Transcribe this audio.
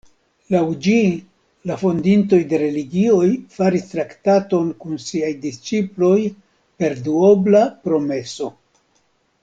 Laŭ ĝi, la fondintoj de religioj faris traktaton kun siaj disĉiploj per duobla promeso.